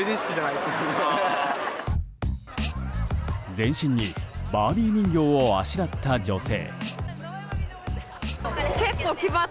全身にバービー人形をあしらった女性。